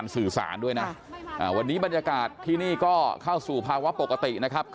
สื่อสารของเขาใจกับทางพนักงานไม่เข้าใจนะครับ